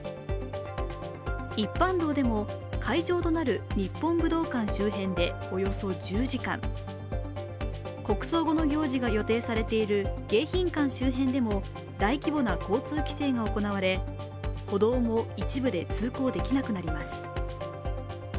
一般道でも会場となる日本武道館周辺でおよそ１０時間、国葬後の行事が予定されている迎賓館周辺でも大規模な交通規制が行われ歩道も一部で通行できなくなります。